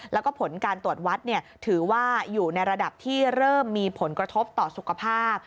แล้วก็ผลการตรวจวัดถือว่าอยู่ในระดับที่เริ่มมีผลกระทบต่อสุขภาพ